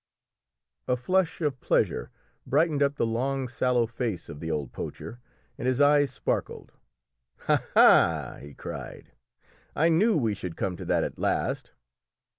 A flush of pleasure brightened up the long sallow face of the old poacher, and his eyes sparkled. "Ha, ha!" he cried, "I knew we should come to that at last!"